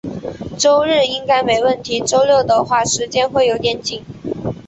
周日应该没问题，周六的话，时间会有点紧。